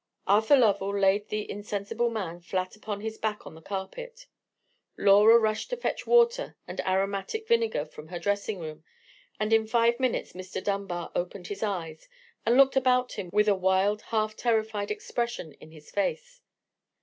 Arthur Lovell laid the insensible man flat upon his back on the carpet. Laura rushed to fetch water and aromatic vinegar from her dressing room: and in five minutes Mr. Dunbar opened his eyes, and looked about him with a wild half terrified expression in his face.